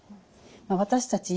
私たち